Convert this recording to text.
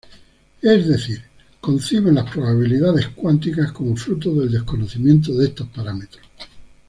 Es decir, conciben las probabilidades cuánticas como fruto del desconocimiento de estos parámetros.